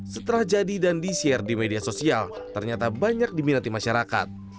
setelah jadi dan di share di media sosial ternyata banyak diminati masyarakat